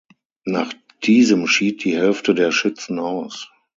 Nach diesem schied die Hälfte der Schützen aus.